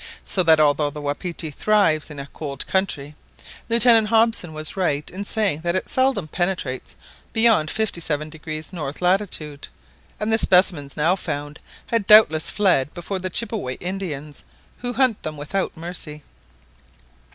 So that although the wapiti thrives in a cold country, Lieutenant Hobson was right in saying that it seldom penetrates beyond 57° N. latitude; and the specimens now found had doubtless fled before the Chippeway Indians, who hunt them without mercy.